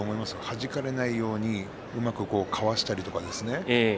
はじかれないようにうまくかわしたり。